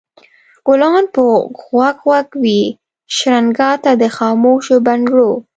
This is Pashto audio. ګلان به غوږ غوږ وي شرنګا ته د خاموشو بنګړو